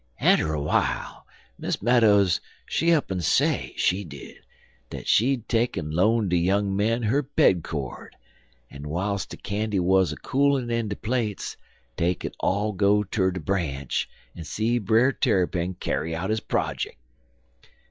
"Atter w'ile Miss Meadows, she up en say, she did, dat she'd take'n loan de young men her bed cord, en w'iles de candy wuz a coolin' in de plates, dey could all go ter de branch en see Brer Tarrypin kyar out his projick.